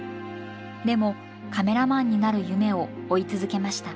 でもカメラマンになる夢を追い続けました。